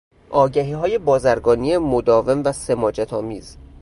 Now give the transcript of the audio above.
آگهیهای بازرگانی مداوم و سماجتآمیز